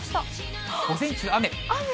午前中雨。